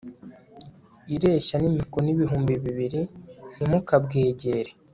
ireshya n'imikono ibihumbi bibiri; ntimukabwegere